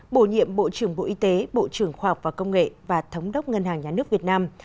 bổ nhiệm bộ trưởng bộ y tế bộ trưởng khoa học và công nghệ và thống đốc ngân hàng nhà nước việt nam